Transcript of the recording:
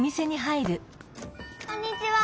こんにちは！